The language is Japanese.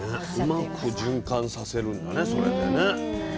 うまく循環させるんだねそれでね。